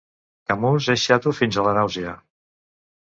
"Camús" és xato fins a La nàusea.